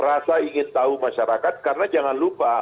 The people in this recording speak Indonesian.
rasa ingin tahu masyarakat karena jangan lupa